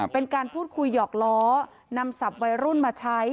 เป็นการพูดคุยหยอกล้อนำศัพท์วัยรุ่นมาใช้